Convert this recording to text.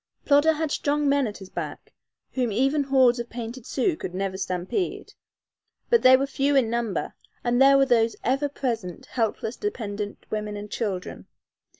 Plodder had strong men at his back, whom even hordes of painted Sioux could never stampede, but they were few in number, and there were those ever present helpless, dependent women and children.